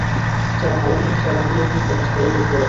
যারা ভালো মানুষ, তারা অন্যের গুণ প্রকাশ করে, দোষ বলে না।